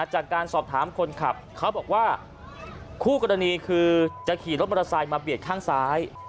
จากการสอบถามคนขับเขาบอกว่าคู่กรณีคือจะขี่รถมอเตอร์ไซค์มาเบียดข้างซ้าย